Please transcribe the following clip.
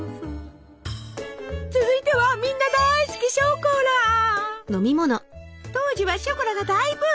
続いてはみんな大好き当時はショコラが大ブーム！